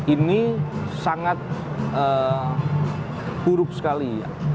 ini sangat buruk sekali